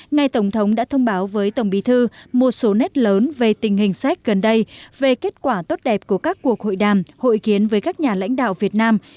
ngài tổng thống đã thông báo với tổng bí thư một số nét lớn về tình hình séc gần đây về kết quả tốt đẹp của các cuộc hội đàm hội kiến với các nhà lãnh đạo việt nam